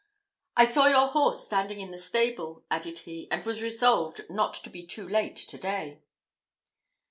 "I saw your horse standing in the stable," added he, "and was resolved not to be too late to day."